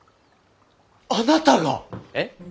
あなたが！？えっ？